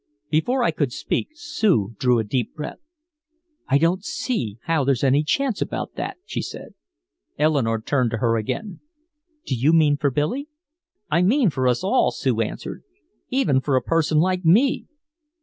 Before I could speak, Sue drew a deep breath. "I don't see how there's any choice about that," she said. Eleanore turned to her again: "Do you mean for Billy?" "I mean for us all," Sue answered. "Even for a person like me!"